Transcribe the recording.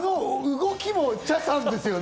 動きも茶さんですよね。